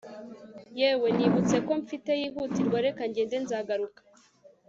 yewe nibutse ko mfite yihutirwa reka ngende nzagaruka